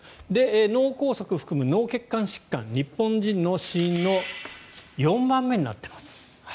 脳梗塞を含む脳血管疾患日本人の死因の４番目になっています。